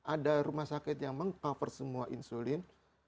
ada rumah sakit yang meng cover semua insulin